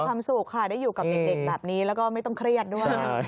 ความสุขค่ะได้อยู่กับเด็กแบบนี้แล้วก็ไม่ต้องเครียดด้วย